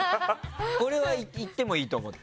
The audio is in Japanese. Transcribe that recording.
これはいってもいいと思った。